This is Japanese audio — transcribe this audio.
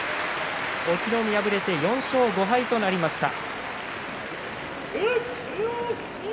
隠岐の海は４勝５敗となりました。